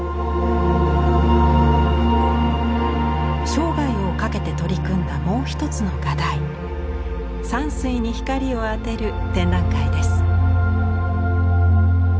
生涯をかけて取り組んだもう一つの画題山水に光を当てる展覧会です。